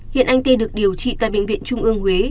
hiện anh t được điều trị tại bệnh viện trung ương huế